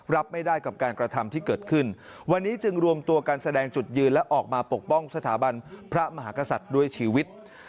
รับไม่ได้กับการกระทำที่เกิดขึ้นวันนี้จึงรวมตัวการแสดงจุดยืนและออกมาปกป้องสถาบันพระมหากษัตริย์ด้วยชีวิต